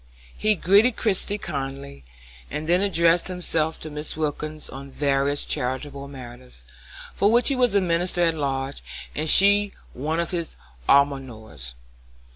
He greeted Christie kindly, and then addressed himself to Mrs. Wilkins on various charitable matters, for he was a minister at large, and she one of his almoners.